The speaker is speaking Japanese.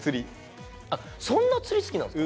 あそんな釣り好きなんですか？